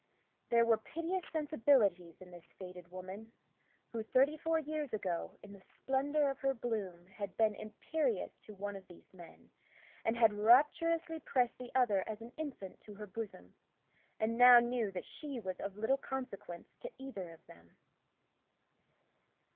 There were piteous sensibilities in this faded woman, who thirty four years ago, in the splendor of her bloom, had been imperious to one of these men, and had rapturously pressed the other as an infant to her bosom, and now knew that she was of little consequence to either of them.